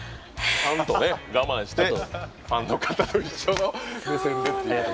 ちゃんと我慢してファンの方と一緒の目線でって。